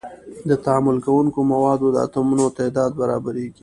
د تعامل کوونکو موادو د اتومونو تعداد برابریږي.